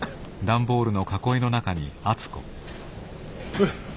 おい。